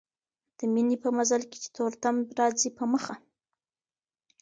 د ميني په مزل کي چي تور تم راځي په مخه